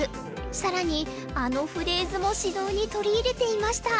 更にあのフレーズも指導に取り入れていました。